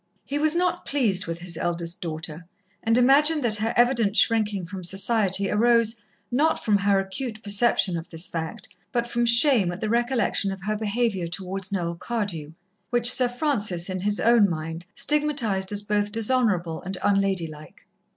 He was not pleased with his eldest daughter, and imagined that her evident shrinking from society arose, not from her acute perception of this fact, but from shame at the recollection of her behaviour towards Noel Cardew, which Sir Francis in his own mind stigmatized as both dishonourable and unladylike.